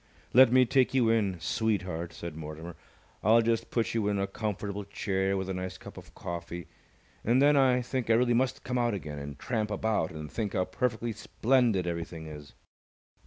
"Let me take you in, sweetheart," said Mortimer. "I'll just put you in a comfortable chair with a nice cup of coffee, and then I think I really must come out again and tramp about and think how perfectly splendid everything is."